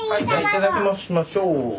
「いただきます」しましょう。